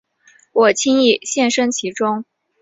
我轻易陷身其中